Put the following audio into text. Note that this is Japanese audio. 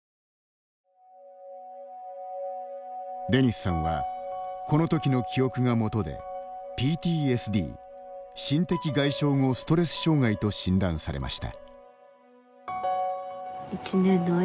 デニスさんはこの時の記憶がもとでＰＴＳＤ＝心的外傷後ストレス障害と診断されました。